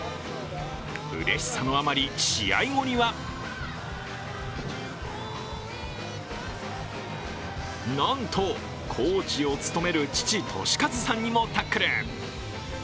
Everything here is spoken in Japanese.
うれしさのあまり、試合後にはなんと、コーチを務める父・俊一さんにもタックル。